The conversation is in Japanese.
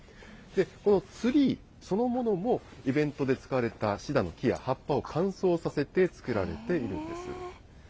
このツリーそのものも、イベントで使われたシダの木や葉っぱを乾燥させて作られているんです。